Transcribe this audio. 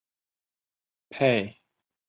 佩斯凯迪瑞是印尼最成功的俱乐部之一。